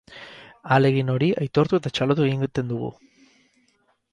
Ahalegin hori aitortu eta txalotu egiten dugu.